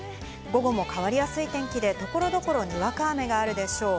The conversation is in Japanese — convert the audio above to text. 午後も変わりやすい天気で、ところどころ、にわか雨があるでしょう。